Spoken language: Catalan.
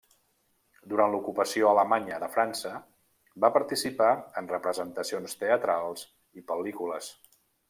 Durant l'ocupació alemanya de França va participar en representacions teatrals i pel·lícules.